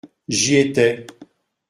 J’y étais.